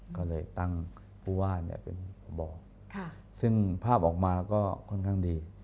ก็เลยตั้งผู้ว่าเป็นบอกซึ่งภาพออกมาก็ค่อนข้างดี